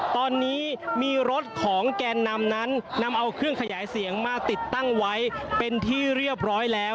ตอนนี้มีรถของแกนนำนั้นนำเอาเครื่องขยายเสียงมาติดตั้งไว้เป็นที่เรียบร้อยแล้ว